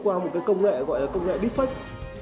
và một cái công nghệ gọi là công nghệ bí phách